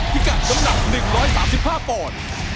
พิกัดน้ำหนัก๑๓๕ปอนด์